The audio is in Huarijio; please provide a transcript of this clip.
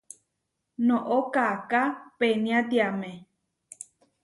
Noʼó kaʼáká peniátiame.